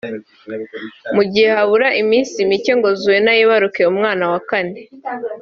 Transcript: Mu gihe habura iminsi mike ngo Zuena yibaruke umwana wa kane